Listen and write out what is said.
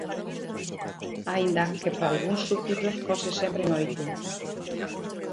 Aínda que para algúns súbditos fose sempre noite.